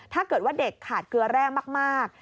ถ้าเกิดว่าเด็กขาดเกลือแร่มาก